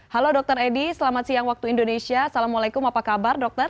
halo dr edi selamat siang waktu indonesia assalamualaikum apa kabar dokter